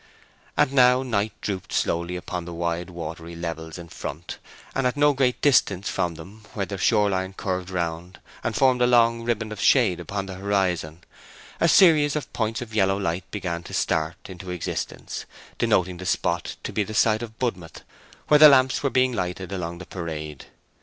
And now night drooped slowly upon the wide watery levels in front; and at no great distance from them, where the shoreline curved round, and formed a long riband of shade upon the horizon, a series of points of yellow light began to start into existence, denoting the spot to be the site of Budmouth, where the lamps were being lighted along the parade.